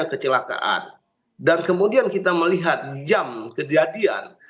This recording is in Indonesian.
kecelakaan dan kemudian kita melihat jam kejadian